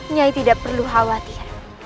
nyi tidak perlu khawatir